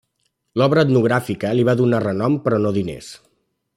L'obra etnogràfica li va donar renom però no diners.